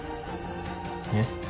えっ？